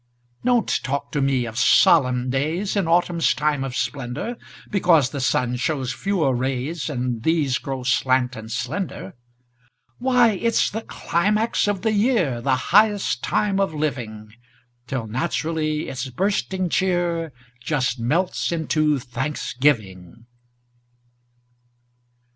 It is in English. Don't talk to me of solemn days In autumn's time of splendor, Because the sun shows fewer rays, And these grow slant and slender. Why, it's the climax of the year, The highest time of living! Till naturally its bursting cheer Just melts into thanksgiving.